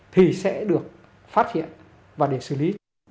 thì sẽ được phát hiện và để xử lý